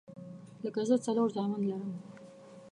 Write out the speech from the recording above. لکه زه څلور زامن لرم